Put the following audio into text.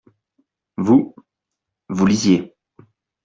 Vous, vous lisiez.